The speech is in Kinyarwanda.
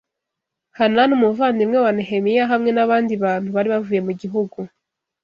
Hanani umuvandimwe wa Nehemiya hamwe n’abandi bantu bari bavuye mu gihugu